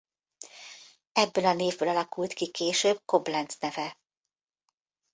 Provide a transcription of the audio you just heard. Ebből a névből alakult ki később Koblenz neve.